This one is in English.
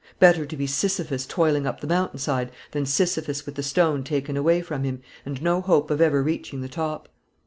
Better to be Sisyphus toiling up the mountain side, than Sisyphus with the stone taken away from him, and no hope of ever reaching the top.